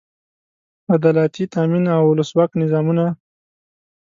عدالتي تامین او اولسواکه نظامونه.